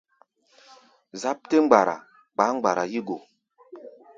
Záp tɛ́ mgbara kpaá mgbara yí go.